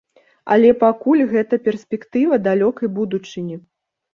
Але пакуль гэта перспектыва далёкай будучыні.